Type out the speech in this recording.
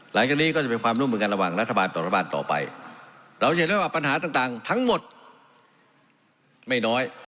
หลังจากนี้ก็จะเป็นความร่วมมือกันระหว่างรัฐบาลต่อรัฐบาลต่อไปเราจะเห็นได้ว่าปัญหาต่างทั้งหมดไม่น้อย